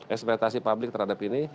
ekspektasi publik terhadap ini